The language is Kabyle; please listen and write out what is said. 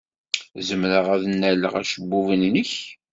Zemreɣ ad nnaleɣ acebbub-nnek?